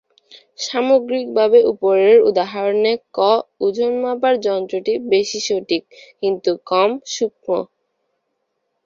সামগ্রিকভাবে উপরের উদাহরণে "ক" ওজন মাপার যন্ত্রটি বেশি সঠিক, কিন্তু কম সূক্ষ্ম।